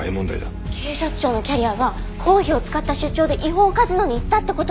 警察庁のキャリアが公費を使った出張で違法カジノに行ったって事は。